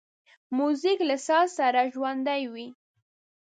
موزیک له ساز سره ژوندی وي.